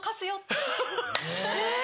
え！